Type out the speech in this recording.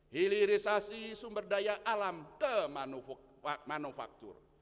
hilirisasi sumber daya alam ke manufaktur